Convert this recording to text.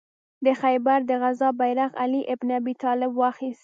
د خیبر د غزا بیرغ علي ابن ابي طالب واخیست.